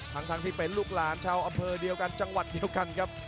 ทั้งที่เป็นลูกหลานชาวอำเภอเดียวกันจังหวัดเดียวกันครับ